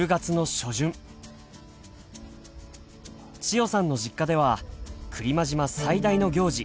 千代さんの実家では来間島最大の行事